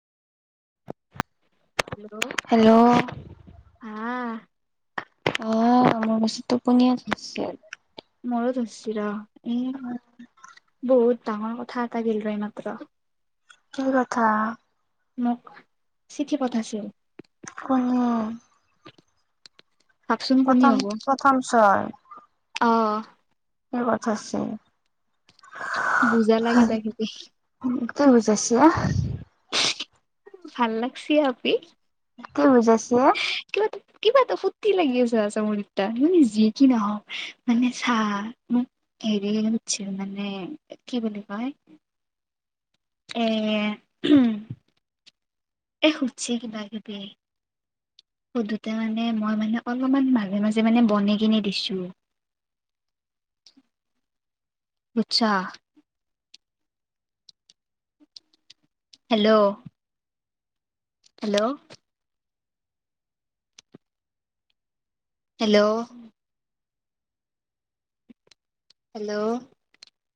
Hello আহ অহ আমাৰ মেছিতো টোপনীয়াছে মোৰ ধৰছি ৰ উম বহুত ডাঙৰ কথা এটা গিল ৰয় মাত্ৰ কি কথা। মোক চিঠি পঠাইছিল। কোনে ভাবচোন কোনে হব প্ৰথম চৰ অ কি পথাছে বুজা লাগে তাই খেতি কি বুজাইছা? ভাল লাগছি আপি কি বুজাইছে? কিবা এটা কিবা এটা ফূৰ্তি লাগি আছে আচামৰিটা মানে যি কি নহওক মানে চা ম- এৰি উতচি মানে কি বুলি কয়? এ এ সুধছি কিবা কিবি সুধোতে মানে মই মানে অলপমান মাজে মাজে মানে বনে কিনি দিছোঁ। উতচ্ছা হেল্ল' হেল্ল'। হেল্ল'। হেল্ল'।